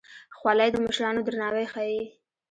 خولۍ د مشرانو درناوی ښيي.